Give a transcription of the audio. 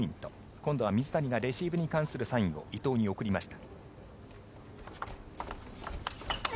今度は水谷がレシーブに関するサインを伊藤に送りました。